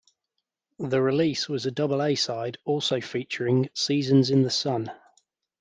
The release was a double A-side, also featuring "Seasons in the Sun".